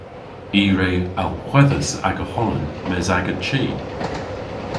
I re alhwedhas aga honan mes a'ga chi.